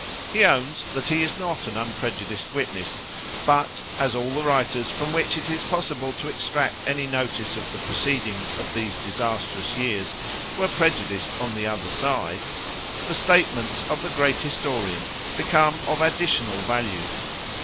He owns that he is not an unprejudiced witness; but, as all the writers from which it is possible to extract any notice of the proceedings of these disastrous years were prejudiced on the other side, the statements of the great historian become of additional value.